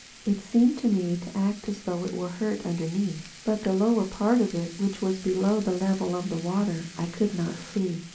It seemed to me to act as though it were hurt underneath; but the lower part of it, which was below the level of the water, I could not see.